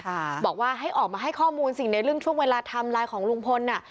ใช่บอกว่าให้ออกมาให้ข้อมูลสิในเรื่องช่วงเวลาทำรายของลุงพลน่ะ